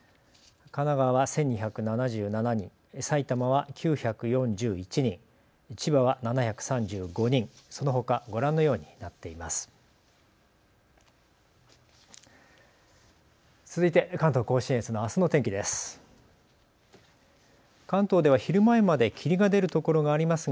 神奈川は１２７７人埼玉は９４１人、千葉は７３５人そのほかご覧のようになっています。